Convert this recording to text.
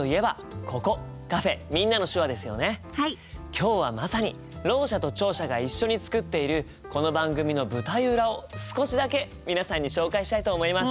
今日はまさにろう者と聴者が一緒に作っているこの番組の舞台裏を少しだけ皆さんに紹介したいと思います。